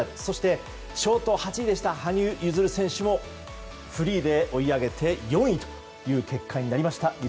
そして、ショート８位でした羽生結弦選手もフリーで追い上げて４位という結果になりました。